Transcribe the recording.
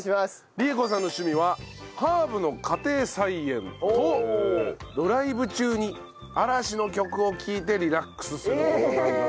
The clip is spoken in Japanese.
理江子さんの趣味はハーブの家庭菜園とドライブ中に嵐の曲を聴いてリラックスする事なんだそうですね。